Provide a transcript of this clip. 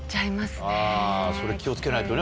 それ気を付けないとね